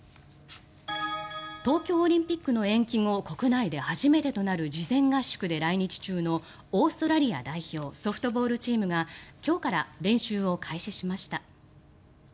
東京オリンピックの延期後国内で初めてとなる事前合宿で来日中のオーストラリア代表ソフトボールチームが今日から練習を開始しました。